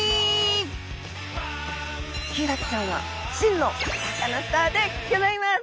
ヒイラギちゃんは真のサカナスターでギョざいます！